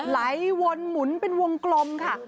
ไหลวนหมุนเป็นวงกลมค่ะ